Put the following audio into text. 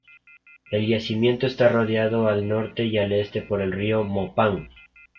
El yacimiento está rodeado al norte y al este por el Río Mopán.